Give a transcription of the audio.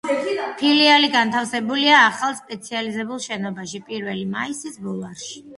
ფილიალი განთავსებულია ახალ სპეციალიზებულ შენობაში „პირველი მაისის“ ბულვარში.